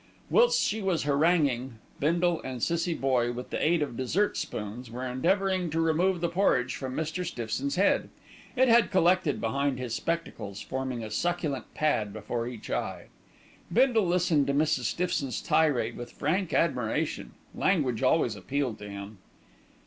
Whilst she was haranguing, Bindle and Cissie Boye, with the aid of desert spoons, were endeavouring to remove the porridge from Mr. Stiffson's head. It had collected behind his spectacles, forming a succulent pad before each eye. Bindle listened to Mrs. Stiffson's tirade with frank admiration; language always appealed to him.